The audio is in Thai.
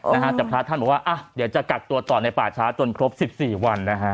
นะฮะแต่พระท่านบอกว่าอ่ะเดี๋ยวจะกักตัวต่อในป่าช้าจนครบสิบสี่วันนะฮะ